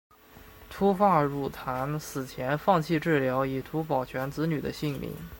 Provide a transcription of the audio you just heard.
秃发傉檀死前放弃治疗以图保全子女的性命。